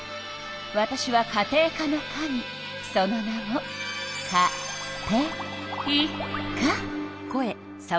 わたしは家庭科の神その名もカテイカ。